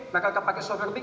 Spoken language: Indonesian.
mereka pakai software b